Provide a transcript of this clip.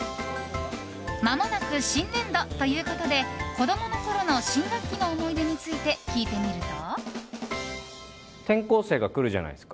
まもなく新年度ということで子供のころの新学期の思い出について聞いてみると。